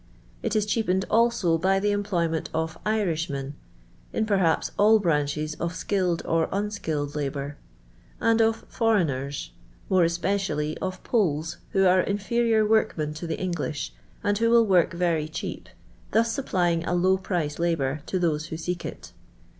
It is cheapened, also, by the employment of Irightmn (in, perhaps, all branches of skilled or unskilled libour), and of forelt/nen, more especially of Poles, who are infe rior workmen to the English, and who will work rery cheap, thus supplying a low price labour to those who seek it.